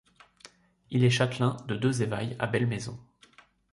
Il est châtelain de Deux-Evailles à la belle-saison.